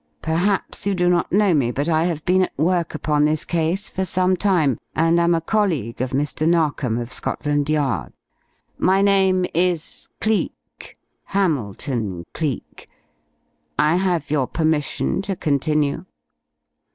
Perhaps you do not know me, but I have been at work upon this case for some time, and am a colleague of Mr. Narkom of Scotland Yard. My name is Cleek Hamilton Cleek. I have your permission to continue?"